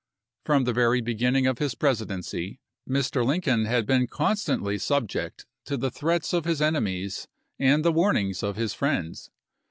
From the very beginning of his Presidency Mr. Lincoln had been constantly subject to the threats of his enemies and the warnings of his friends.